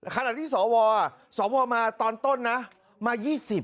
ขณะที่สวสวมาตอนต้นนะมา๒๐